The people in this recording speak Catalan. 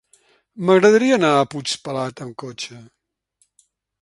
M'agradaria anar a Puigpelat amb cotxe.